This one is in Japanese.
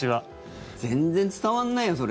全然伝わらないよ、それ。